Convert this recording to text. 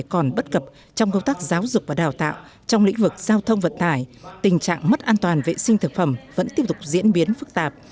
còn bất cập trong công tác giáo dục và đào tạo trong lĩnh vực giao thông vận tải tình trạng mất an toàn vệ sinh thực phẩm vẫn tiếp tục diễn biến phức tạp